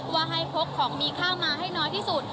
ว่าให้พกของมีค่ามาให้น้อยที่สุด